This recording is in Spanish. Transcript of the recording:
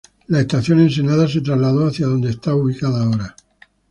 La Estación Ensenada se trasladó hacia donde está ubicada ahora.